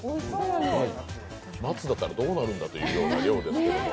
松だったらどうなるんだというような量ですけれども。